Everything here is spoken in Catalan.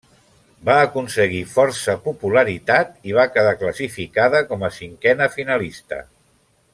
Va aconseguir força popularitat i va quedar classificada com a cinquena finalista.